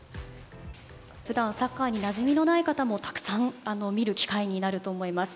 普段サッカーになじみのない方もたくさん見る機会になると思います。